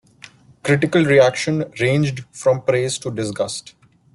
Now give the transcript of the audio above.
Critical reaction ranged from praise to disgust.